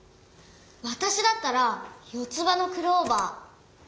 わたしだったら四つ葉のクローバー。